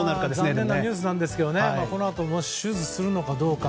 残念なニュースなんですがこのあと手術するのかどうか。